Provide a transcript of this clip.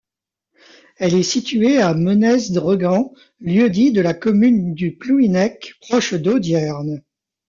Elle est située à Menez Dregan, lieu-dit de la commune de Plouhinec, proche d'Audierne.